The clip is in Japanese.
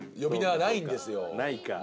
ないか。